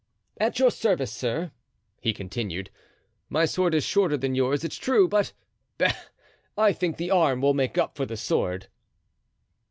"At your service, sir," he continued. "My sword is shorter than yours, it's true, but, bah! I think the arm will make up for the sword."